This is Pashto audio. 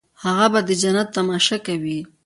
هغه به د جنت تماشه کوي.